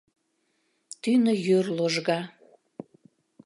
Тӱнӧ йӱр ложга.